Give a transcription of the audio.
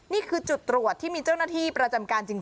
นี่คือจุดตรวจที่มีเจ้าหน้าที่ประจำการจริง